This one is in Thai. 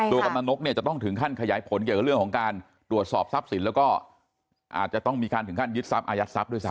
กำลังนกเนี่ยจะต้องถึงขั้นขยายผลเกี่ยวกับเรื่องของการตรวจสอบทรัพย์สินแล้วก็อาจจะต้องมีการถึงขั้นยึดทรัพอายัดทรัพย์ด้วยซ้